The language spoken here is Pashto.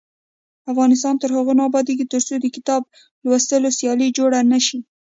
افغانستان تر هغو نه ابادیږي، ترڅو د کتاب لوستلو سیالۍ جوړې نشي.